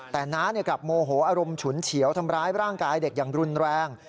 แต่น้ากลับโมโหอารมณ์ฉุนเฉียวทำร้ายร่างกายเด็กอย่างรุนแรง